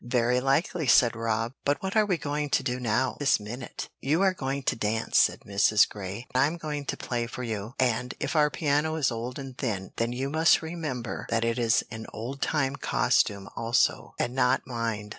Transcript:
"Very likely," said Rob, "but what are we going to do now, this minute?" "You are going to dance," said Mrs. Grey. "I'm going to play for you, and if our piano is old and thin, then you must remember that it is in old time costume also, and not mind."